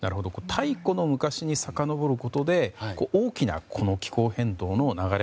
太古の昔にさかのぼることで大きな気候変動の流れ